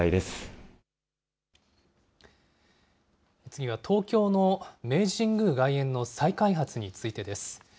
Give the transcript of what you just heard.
次は、東京の明治神宮外苑の再開発についてです。